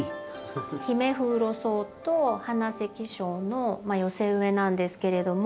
ヒメフウロソウとハナセキショウの寄せ植えなんですけれども。